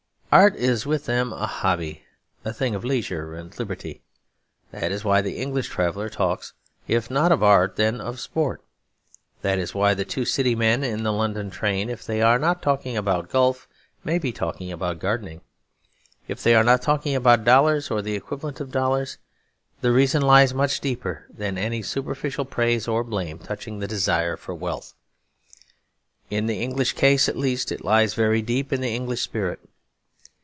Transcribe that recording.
Art is with them a hobby; a thing of leisure and liberty. That is why the English traveller talks, if not of art, then of sport. That is why the two city men in the London train, if they are not talking about golf, may be talking about gardening. If they are not talking about dollars, or the equivalent of dollars, the reason lies much deeper than any superficial praise or blame touching the desire for wealth. In the English case, at least, it lies very deep in the English spirit.